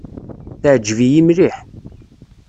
Teɛǧeb-iyi mliḥ.